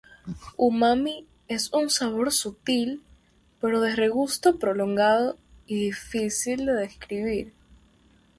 Umami es un sabor sutil pero de regusto prolongado y difícil de describir.